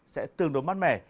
sẽ tường đối mát mẻ